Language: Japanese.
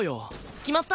決まった？